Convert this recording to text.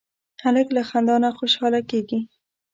هلک له خندا نه خوشحاله کېږي.